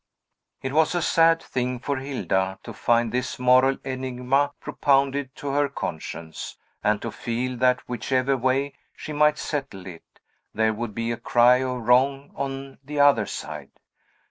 It was a sad thing for Hilda to find this moral enigma propounded to her conscience; and to feel that, whichever way she might settle it, there would be a cry of wrong on the other side.